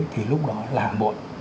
thì lúc đó là hạ mội